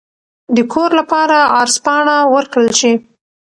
د کور لپاره عرض پاڼه ورکړل شي.